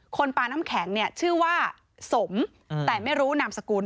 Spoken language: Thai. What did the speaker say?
ปลาน้ำแข็งเนี่ยชื่อว่าสมแต่ไม่รู้นามสกุล